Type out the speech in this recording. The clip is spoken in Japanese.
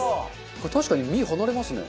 これ確かに身離れますね。